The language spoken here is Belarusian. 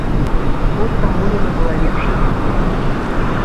Год таму яна была лепшай у свеце.